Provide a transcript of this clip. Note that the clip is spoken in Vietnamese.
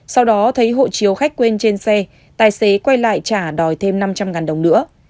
sau đó thấy hộ chiếu khách quên trên xe tài xế quay lại trả đòi thêm năm trăm linh đồng nữa